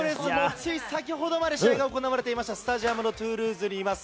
つい先ほどまで試合が行われていましたスタジアム・ド・トゥールーズにいます。